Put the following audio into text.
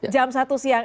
jam satu siang